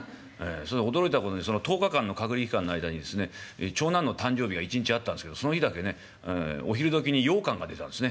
それで驚いたことに１０日間の隔離期間の間にですね長男の誕生日が一日あったんですけどその日だけねお昼どきにようかんが出たんですね。